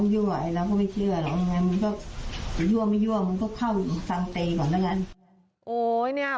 ยั่วเราก็ไม่เชื่อเหรอยั่วไม่ยั่วมันก็เข้าที่ของตรงนี้ก่อนด้วย